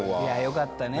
よかったね